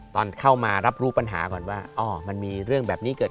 ตอนเข้ามารับรู้ปัญหาก่อนว่ามันมีเรื่องแบบนี้เกิดขึ้น